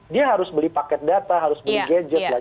dia harus beli paket data harus beli gadget